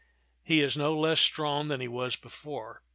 He is no less strong than he was before.